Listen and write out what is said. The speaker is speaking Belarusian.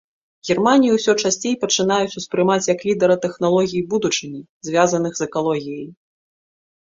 Германію ўсё часцей пачынаюць успрымаць як лідара тэхналогій будучыні, звязаных з экалогіяй.